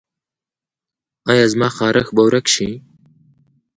ایا زما خارښ به ورک شي؟